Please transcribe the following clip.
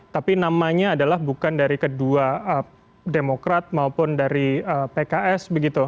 tapi namanya adalah bukan dari kedua demokrat maupun dari pks